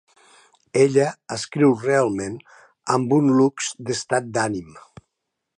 Ella escriu realment amb un lux d'estat d'ànim.